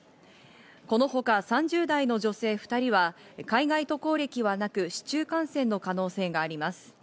このほか３０代の女性２人は海外渡航歴はなく、市中感染の可能性があります。